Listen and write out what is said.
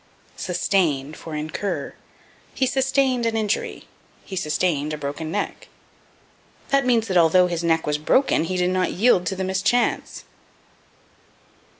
Sustain for Incur. "He sustained an injury." "He sustained a broken neck." That means that although his neck was broken he did not yield to the mischance.